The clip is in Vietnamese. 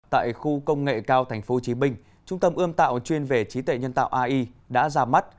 tại khu công nghệ cao tp hcm trung tâm ươm tạo chuyên về trí tuệ nhân tạo ai đã ra mắt